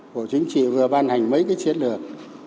bộ chính trị vừa ban hành mấy cái chiến lược